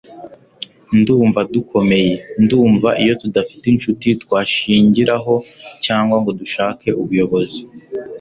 ndumva dukomeye, ndumva, iyo tudafite inshuti twashingiraho, cyangwa ngo dushake ubuyobozi